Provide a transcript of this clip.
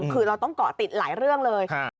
คือเราต้องเกาะติดหลายเรื่องเลย